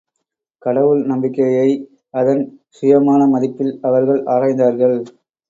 கடவுள் நம்பிக்கையை அதன் சுயமான மதிப்பில் அவர்கள் ஆராய்ந்தார்கள்.